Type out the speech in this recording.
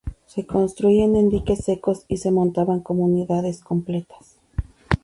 Se construían en diques secos y se montaban como unidades completas.